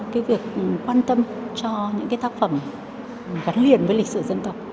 cái việc quan tâm cho những cái tác phẩm gắn liền với lịch sử dân tộc